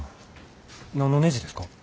何のねじですか？